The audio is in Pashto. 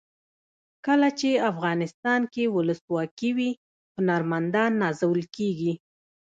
کله چې افغانستان کې ولسواکي وي هنرمندان نازول کیږي.